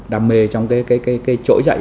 đam mê trong cái trỗi dậy